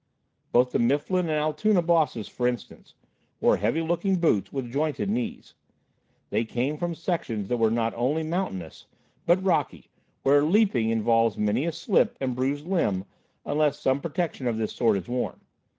Both the Mifflin and Altoona Bosses, for instance, wore heavy looking boots with jointed knees. They came from sections that were not only mountainous, but rocky, where "leaping" involves many a slip and bruised limb, unless some protection of this sort is worn.